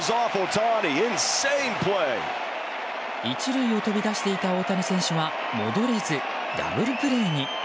１塁を飛び出していた大谷選手は戻れずダブルプレーに。